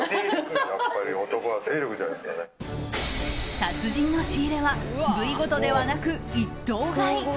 達人の仕入れは部位ごとではなく一頭買い。